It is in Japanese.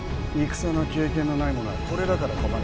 「戦の経験のない者はこれだから困る」。